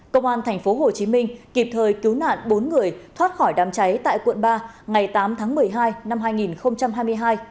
công an tp hcm kịp thời cứu nạn bốn người thoát khỏi đám cháy tại quận ba ngày tám tháng một mươi hai năm hai nghìn hai mươi hai